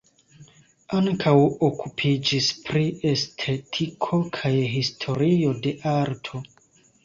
Ankaŭ okupiĝis pri estetiko kaj historio de arto.